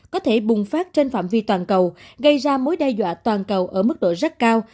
có thể bùng phát trên phạm vi toàn cầu gây ra mối đe dọa toàn cầu ở mức độ rất cao